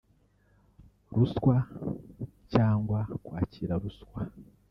ruswa cyangwa kwakira ruswa